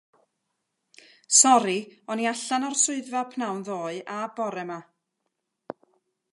Sori, o'n i allan o'r swyddfa pnawn ddoe a bore 'ma.